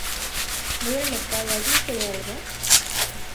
Voy al mercadona alguien quiere algo?.